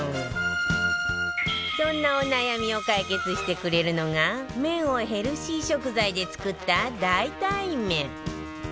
そんなお悩みを解決してくれるのが麺をヘルシー食材で作った代替麺